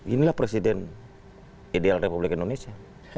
inilah presiden ideal republik indonesia